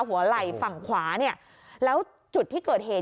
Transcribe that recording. หัวไหล่ฝั่งขวาเนี่ยแล้วจุดที่เกิดเหตุ